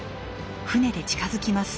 船で近づきます。